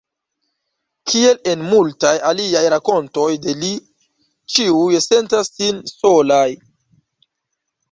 Kiel en multaj aliaj rakontoj de li, ĉiuj sentas sin solaj.